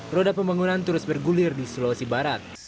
roda pembangunan terus bergulir di sulawesi barat